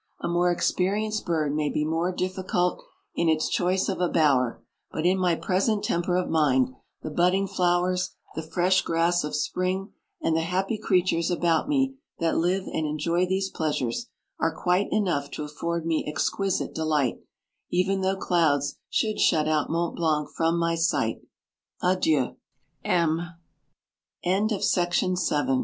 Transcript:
A more experienced bird may be more diffi cult in its choice of a bower ; but in my present temper of mind, the budding flowers, the fresh grass of spring, and the happy creatures about me that live and enjoy these pleasures, are quite enough to afford me exquisite delight, even though clouds should shut out Mont Blanc f